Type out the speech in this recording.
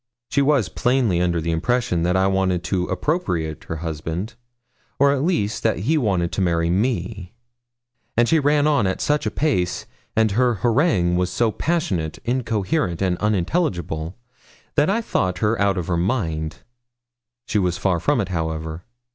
She was plainly under the impression that I wanted to appropriate her husband, or, at least, that he wanted to marry me; and she ran on at such a pace, and her harangue was so passionate, incoherent, and unintelligible, that I thought her out of her mind: she was far from it, however.